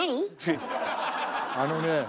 あのねえ。